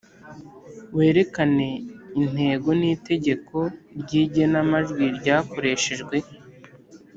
werekane intego n’itegeko ry’igenamajwi ryakoreshejwe